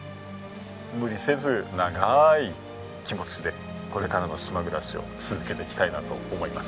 無理せず長い気持ちでこれからの島暮らしを続けていきたいなと思います。